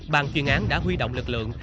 bàn chuyên án đã huy động lực lượng